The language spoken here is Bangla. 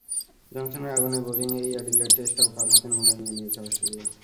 জনসনের আগুনে বোলিংয়েই অ্যাডিলেড টেস্টটাও কাল হাতের মুঠোয় নিয়ে নিয়েছে অস্ট্রেলিয়া।